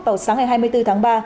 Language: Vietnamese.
vào sáng ngày hai mươi bốn tháng ba